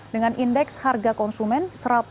dengan indeks harga konsumen satu ratus empat belas lima belas